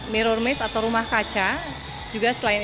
mirror maze atau rumah kaca